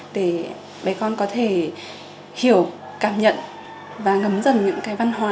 để bà con có thể hiểu cảm nhận và ngấm dần những cái văn hóa